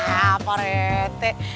ah pak rete